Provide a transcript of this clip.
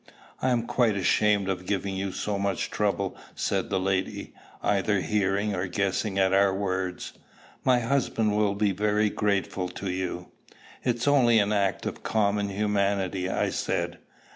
"I am quite ashamed of giving you so much trouble," said the lady, either hearing or guessing at our words. "My husband will be very grateful to you." "It is only an act of common humanity," I said.